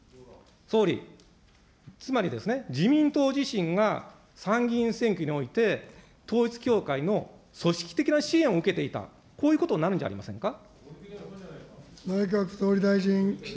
総理、つまりですね、自民党自身が参議院選挙において、統一教会の組織的な支援を受けていた、こういうことになるんじゃありませんか。